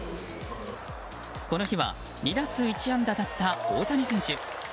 この日は２打数１安打だった大谷選手。